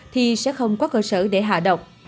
thì sẽ không có cơ sở để hạ độc